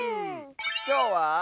きょうは。